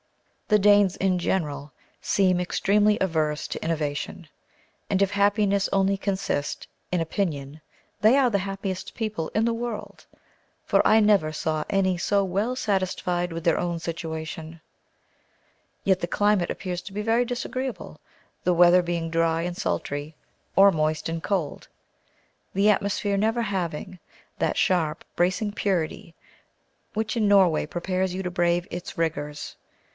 The Danes, in general, seem extremely averse to innovation, and if happiness only consist in opinion, they are the happiest people in the world; for I never saw any so well satisfied with their own situation. Yet the climate appears to be very disagreeable, the weather being dry and sultry, or moist and cold; the atmosphere never having that sharp, bracing purity, which in Norway prepares you to brave its rigours.